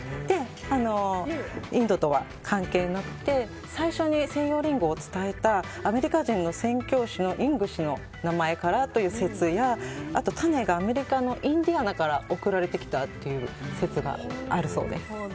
インドとは関係なくて最初に西洋林檎を伝えたアメリカ人の宣教師のイング氏の名前からという説や種がアメリカのインディアナから送られてきたという説があるそうです。